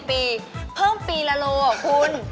ปีเพิ่มปีละโลคุณ